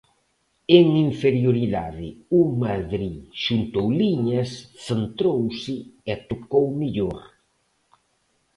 En inferioridade, o Madrid xuntou liñas, centrouse e tocou mellor.